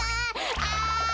あ！